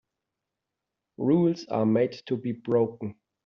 Rules are made to be broken.